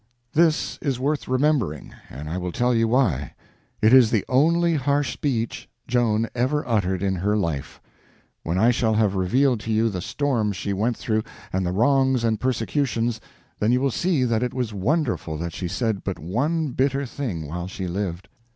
This is worth remembering, and I will tell you why: it is the only harsh speech Joan ever uttered in her life. When I shall have revealed to you the storms she went through, and the wrongs and persecutions, then you will see that it was wonderful that she said but one bitter thing while she lived.